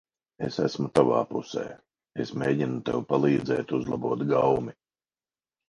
Es esmu tavā pusē. Es mēģinu tev palīdzēt uzlabot gaumi.